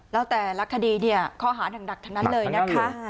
แล้วแต่ลักษณ์คดีเนี่ยข้อหาทั้งดักทั้งนั้นเลยนะคะ